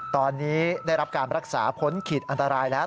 ตอนนี้ได้รับการรักษาพ้นขีดอันตรายแล้ว